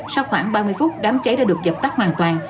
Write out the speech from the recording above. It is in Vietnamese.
sau khoảng ba mươi phút đám cháy đã được dập tắt hoàn toàn